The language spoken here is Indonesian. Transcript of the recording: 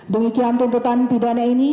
demikian tuntutan pidana ini